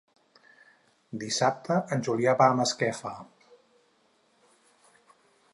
Dissabte en Julià va a Masquefa.